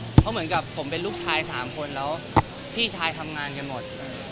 เพราะเหมือนกับผมเป็นลูกชาย๓คนแล้วพี่ชายทำงานกันหมด